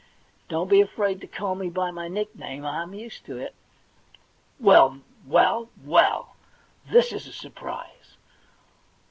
Don't be afraid to call me by my nickname ; I'm used to it.' * Well, well, well, this is a surprise.